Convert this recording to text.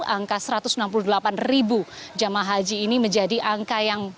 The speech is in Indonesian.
angka satu ratus enam puluh delapan ribu jamaah haji ini menjadi angka yang